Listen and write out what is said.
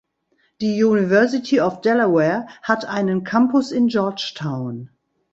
Die University of Delaware hat einen Campus in Georgetown.